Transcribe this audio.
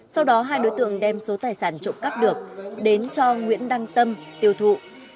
sau đó hai đối tượng đem số tài sản trộm cắp được đến cho nguyễn đăng tâm tiêu thụ